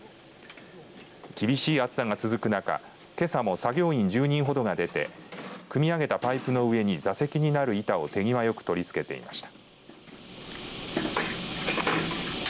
厳しい暑さが続く中けさも作業員１０人ほどが出て組み上げたパイプの上に座席になる板を手際よく取り付けていました。